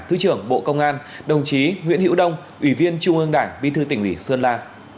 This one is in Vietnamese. thứ trưởng bộ công an đồng chí nguyễn hữu đông ủy viên trung ương đảng bí thư tỉnh ủy sơn la